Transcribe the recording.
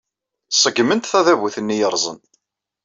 Ṣeggment tadabut-nni yerrẓen.